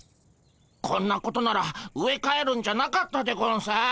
こんなことなら植え替えるんじゃなかったでゴンス。